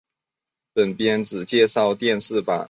本篇只介绍电视版。